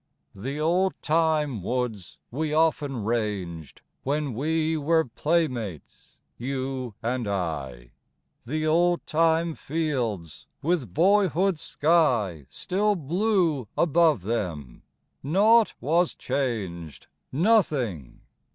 The oldtime woods we often ranged, When we were playmates, you and I; The oldtime fields, with boyhood's sky Still blue above them! Naught was changed! Nothing!